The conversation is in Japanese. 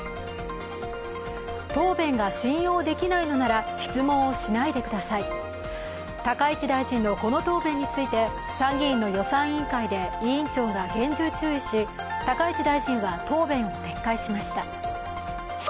答弁が信用できないのなら質問をしないでください高市大臣のこの答弁について参議院の予算委員会で委員長が厳重注意し高市大臣は答弁を撤回しました。